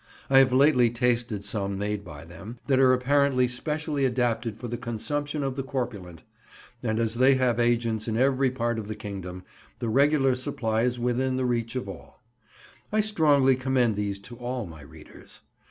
I have lately tasted some made by them, that are apparently specially adapted for the consumption of the corpulent; and as they have agents in every part of the kingdom, the regular supply is within the reach of all. I strongly commend these to all my readers.